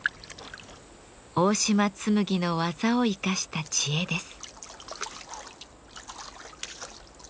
大島紬の技を生かした知恵です。